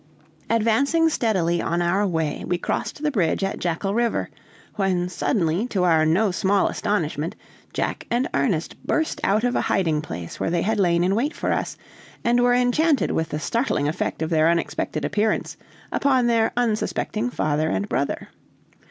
Advancing steadily on our way, we crossed the bridge at Jackal River, when suddenly, to our no small astonishment, Jack and Ernest burst out of a hiding place where they had lain in wait for us, and were enchanted with the startling effect of their unexpected appearance upon their unsuspecting father and brother.